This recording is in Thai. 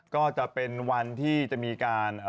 ก็จะเป็นวันที่จะมีการ